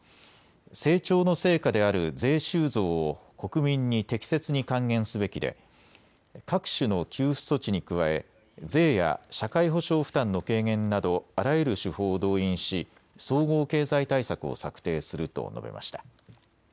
成長の成果である税収増を国民に適切に還元すべきで各種の給付措置に加え税や社会保障負担の軽減などあらゆる手法を動員し総合経済対策を策定すると述べました。